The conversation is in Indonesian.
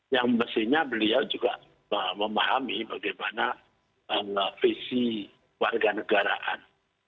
yang mestinya beliau juga memahami bagaimana visi warga negaraan